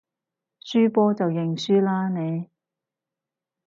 輸波就認輸啦你